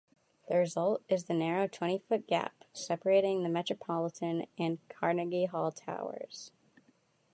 The result is the narrow twenty-foot gap, separating the Metropolitan and Carnegie Hall towers.